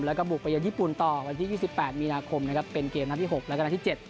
แล้วก็บุกไปยังญี่ปุ่นต่อวันที่๒๘มีนาคมเป็นเกมทั้งที่๖แล้วก็ที่๗